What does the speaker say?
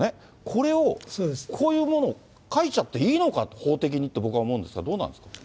これを、こういうものを書いちゃっていいのか、法的に、僕は思うんですけど、どうなんですか。